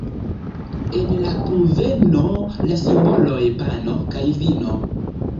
En la kunveno la simboloj: pano kaj vino.